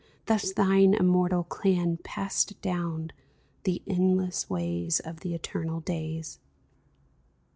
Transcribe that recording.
Thus thine immortal clan Passed down the endless ways Of the eternal days